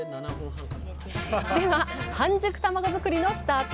では半熟たまご作りのスタート！